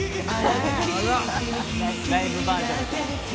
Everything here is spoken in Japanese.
ライブバージョン。